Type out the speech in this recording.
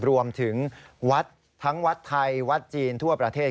รวมถึงวัดทั้งวัดไทยวัดจีนทั่วประเทศ